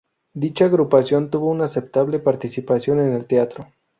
Dicha agrupación tuvo una aceptable participación en el teatro.